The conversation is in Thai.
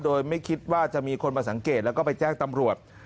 โดยไม่คิดว่าจะมีคนมาสังเกตแล้วก็ไปแจ้งตำรวจ